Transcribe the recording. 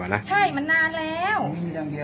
ใช่มันนานแล้ว